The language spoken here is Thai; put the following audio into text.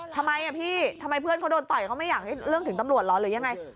ทำไมอ่ะพี่ทำไมเพื่อนเขาโดนต่อยเขาไม่อยากให้เรื่องถึงตำรวจเหรอหรือยังไง